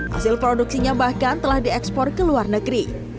hasil produksinya bahkan telah diekspor ke luar negeri